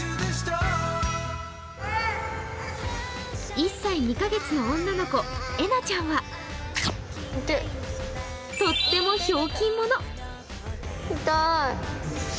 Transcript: １歳２カ月の女の子えなちゃんはとってもひょうきん者。